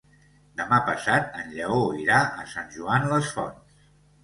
Demà passat en Lleó irà a Sant Joan les Fonts.